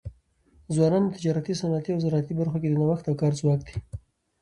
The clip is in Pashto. ځوانان د تجارتي، صنعتي او زراعتي برخو کي د نوښت او کار ځواک دی.